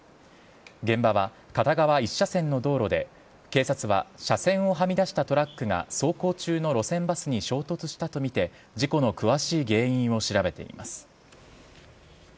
現場は片側１車線の道路で警察は車線をはみ出したトラックが走行中の路線バスに衝突したとみて事故の詳しい原因を調べています。